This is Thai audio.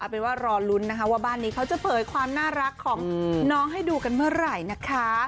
เป็นว่ารอลุ้นนะคะว่าบ้านนี้เขาจะเผยความน่ารักของน้องให้ดูกันเมื่อไหร่นะคะ